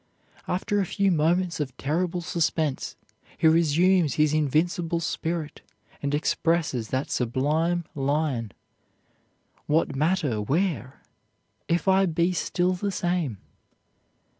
After a few moments of terrible suspense he resumes his invincible spirit and expresses that sublime line: "What matter where, if I be still the same?"